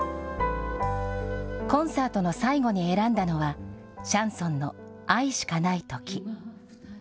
コンサートの最後に選んだのは、シャンソンの愛しかない時。